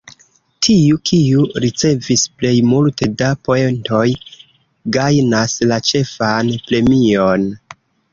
Tiu, kiu ricevis plej multe da poentoj, gajnas la ĉefan premion.